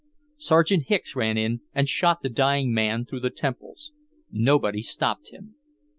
Sergeant Hicks ran in and shot the dying man through the temples. Nobody stopped him.